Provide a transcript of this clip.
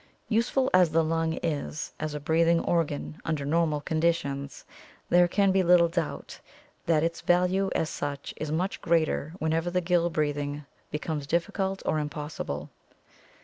Useful as the lung is as a breathing organ under normal conditions, there can be little doubt that its value as such is much greater whenever gill breathing becomes difficult or impossible.